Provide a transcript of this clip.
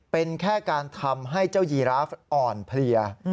เป็นแค่การทำให้เจ้ายีราฟอ่อนเพลีย